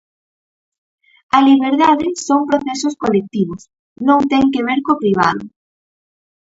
"A liberdade son procesos colectivos, non ten que ver co privado".